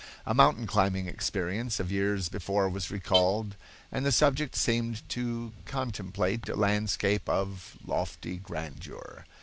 A mountain climbing experience of years before was recalled, and the subject seemed to contemplate a landscape of "lofty grandeur."